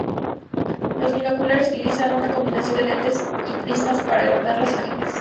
Los binoculares utilizan una combinación de lentes y prismas para agrandar las imágenes.